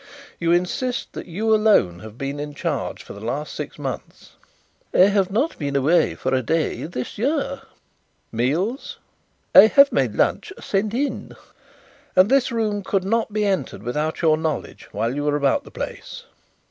"You insist that you alone have been in charge for the last six months?" "I have not been away a day this year." "Meals?" "I have my lunch sent in." "And this room could not be entered without your knowledge while you were about the place?"